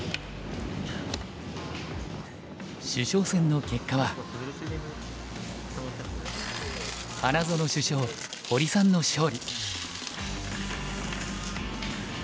主将戦の結果は花園主将堀さんの勝利。